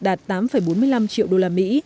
đạt tám bốn mươi năm triệu đô la mỹ